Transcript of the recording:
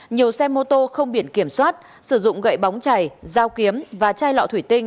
nhiều xe mô tô không biển kiểm soát sử dụng gậy bóng chảy dao kiếm và chai lọ thủy tinh